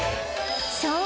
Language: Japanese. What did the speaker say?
そう！